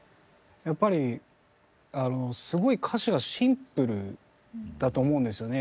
やっぱりすごい歌詞がシンプルだと思うんですよね